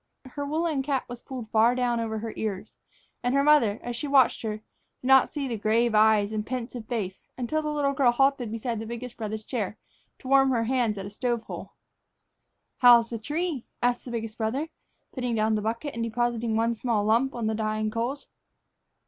Her woolen cap was pulled far down over her ears, and her mother, as she watched her, did not see the grave eyes and pensive face until the little girl halted beside the biggest brother's chair to warm her hands at a stove hole. "How's the tree?" asked the biggest brother, putting down the bucket and depositing one small lump on the dying coals.